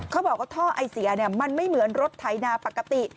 เขาบอกว่าท่อไอเสียมันไม่เหมือนรถไถนาปกติ